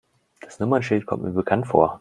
Das Nummernschild kommt mir bekannt vor.